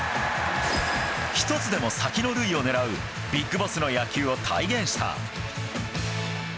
１つでも先の塁を狙うビッグボスの野球を体現した。